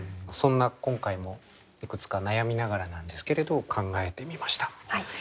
そんな今回もいくつか悩みながらなんですけれど考えてみました。